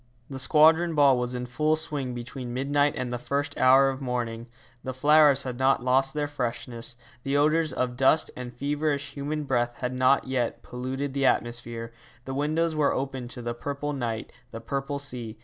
The Squadron Ball was in full swing between midnight and the first hour of morning. The flowers had not lost their freshness, the odours of dust and feverish human breath had not yet polluted the atmosphere. The windows were open to the purple night, the purple sea.